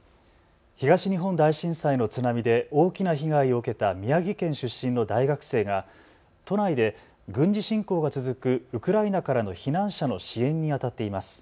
東日本大震災の津波で大きな被害を受けた宮城県出身の大学生が都内で軍事侵攻が続くウクライナからの避難者の支援にあたっています。